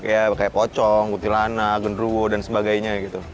ya kayak pocong gutilana genruo dan sebagainya gitu